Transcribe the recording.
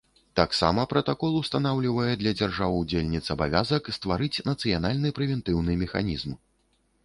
Таксама пратакол устанаўлівае для дзяржаў-удзельніц абавязак стварыць нацыянальны прэвентыўны механізм.